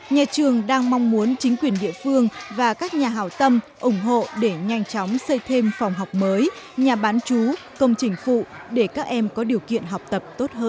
nhà trường đang mong muốn chính quyền địa phương và các nhà hào tâm ủng hộ để nhanh chóng xây thêm phòng học mới nhà bán chú công trình phụ để các em có điều kiện học tập